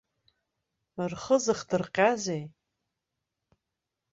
Рхы зыхдырҟьазеи?